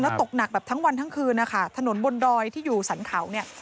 ตกหนักแบบทั้งวันทั้งคืนนะคะถนนบนดอยที่อยู่สรรเขาเนี่ย